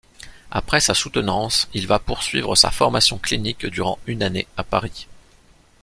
Après sa soutenance il va poursuivre sa formation clinique durant une année à Paris.